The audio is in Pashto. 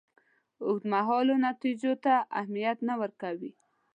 اوږدمهالو نتیجو ته اهمیت نه ورکوي.